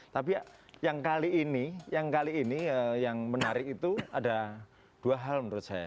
tapi yang kali ini yang menarik itu ada dua hal menurut saya